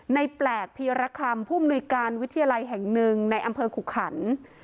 แปลกพีรคำผู้มนุยการวิทยาลัยแห่งหนึ่งในอำเภอขุขัน